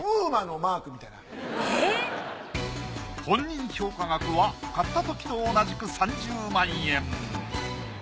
本人評価額は買ったときと同じく３０万円。